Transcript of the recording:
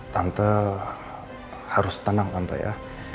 tante harus tenang tante ya